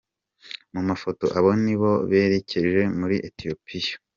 Mu mafoto, aba ni bo berekeje muri Ethiopia.